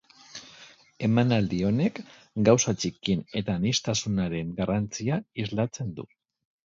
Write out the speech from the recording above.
Emanaldi honek, gauza txikien eta aniztasunaren garrantzia islatzen du.